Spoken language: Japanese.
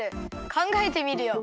かんがえてみるよ。